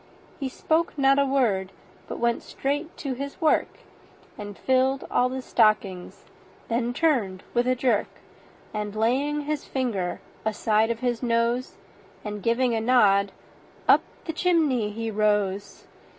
He spoke not a word, but went straight to his work, And filled all the stockings; then turned with a jerk, And laying his finger aside of his nose, And giving a nod, up the chimney he rose.